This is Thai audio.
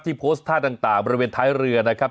โพสต์ท่าต่างบริเวณท้ายเรือนะครับ